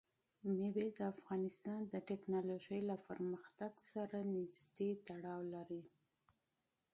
مېوې د افغانستان د تکنالوژۍ له پرمختګ سره نږدې تړاو لري.